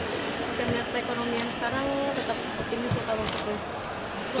karena ekonomi yang sekarang tetap begini setahun ke depan